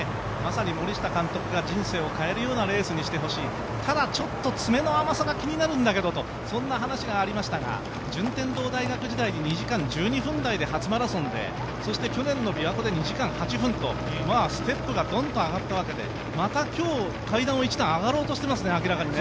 まさに森下監督が人生を変えるようなレースにしてほしいただ、ちょっと詰めの甘さが気になるんだけどという、そんな話がありましたが順天堂大学時代に２時間１２分台で初マラソンでそして去年のびわ湖で、２時間８分と、どんどんステップが上がっているわけでまた今日、階段を１段上がろうとしていますね。